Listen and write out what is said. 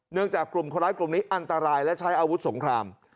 จากกลุ่มคนร้ายกลุ่มนี้อันตรายและใช้อาวุธสงคราม